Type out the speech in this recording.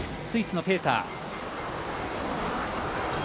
スイスのペーター。